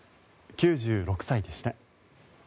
９６歳でした。